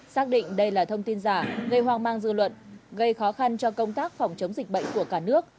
xác định đây là thông tin giả gây hoang mang dư luận gây khó khăn cho công tác phòng chống dịch bệnh của cả nước